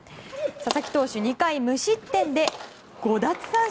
佐々木投手は２回無失点で５奪三振。